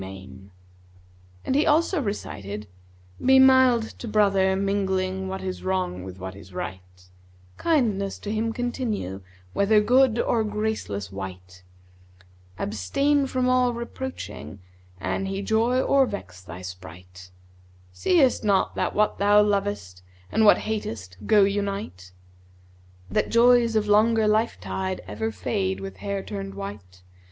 "[FN#159] And he also recited, "Be mild to brother mingling * What is wrong with what is right: Kindness to him continue * Whether good or graceless wight: Abstain from all reproaching, * An he joy or vex thy sprite: Seest not that what thou lovest * And what hatest go unite? That joys of longer life tide * Ever fade with hair turned white?